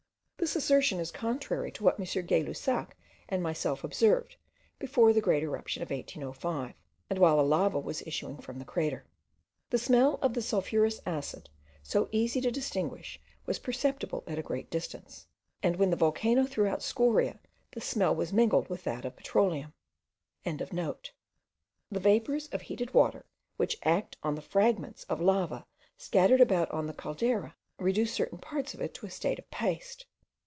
This assertion is contrary to what M. Gay Lussac and myself observed, before the great eruption of 1805, and while the lava was issuing from the crater. The smell of the sulphurous acid, so easy to distinguish, was perceptible at a great distance; and when the volcano threw out scoriae, the smell was mingled with that of petroleum.) The vapours of heated water, which act on the fragments of lava scattered about on the caldera, reduce certain parts of it to a state of paste.